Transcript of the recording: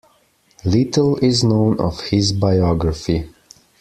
Little is known of his biography.